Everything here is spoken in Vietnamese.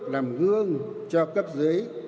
làm gương cho cấp dưới